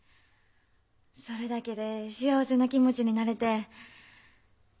それだけで幸せな気持ちになれて。